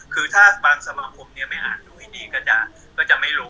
คือถ้าบางสมาคมไม่อ่านดูให้ดีก็จะไม่ลง